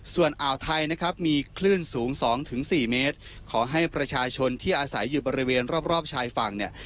ส่วนอ่าวไทยนะครับมีคลื่นสูง๒๔เมตรขอให้ประชาชนที่อาศัยอยู่บริเวณรอบรอบชายฝั่งเนี่ย